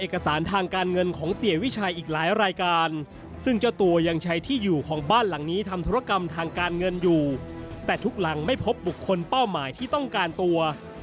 ก็ไม่ต้องการตัว